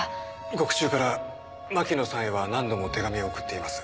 獄中から牧野さんへは何度も手紙を送っています。